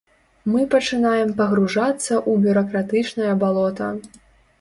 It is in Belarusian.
Мы пачынаем пагружацца ў бюракратычнае балота.